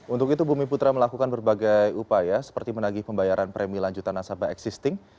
untuk itu bumi putra melakukan berbagai upaya seperti menagih pembayaran premi lanjutan nasabah existing